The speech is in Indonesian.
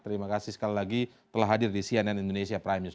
terima kasih sekali lagi telah hadir di cnn indonesia prime news